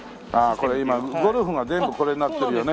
これ今ゴルフが全部これになってるよね。